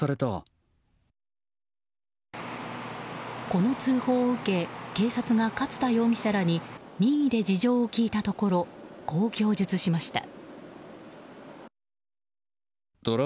この通報を受け警察が勝田容疑者らに任意で事情を聴いたところこう供述しました。